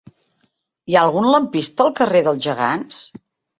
Hi ha algun lampista al carrer dels Gegants?